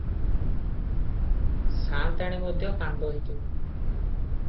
ସାଆନ୍ତାଣୀ ମଧ୍ୟ କାନ୍ଦନ୍ତି ।